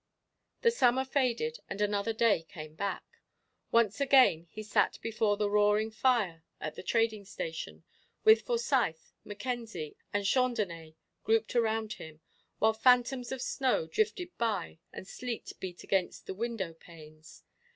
The Summer faded and another day came back. Once again he sat before the roaring fire at the trading station, with Forsyth, Mackenzie, and Chandonnais grouped around him, while phantoms of snow drifted by and sleet beat against the window panes.